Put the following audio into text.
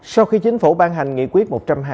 sau khi chính phủ ban hành nghị quyết một trăm hai mươi